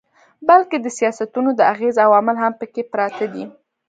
بلکي د سياستونو د اغېز عوامل هم پکښې پراته دي